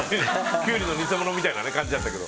キュウリの偽物みたいな感じだったけど。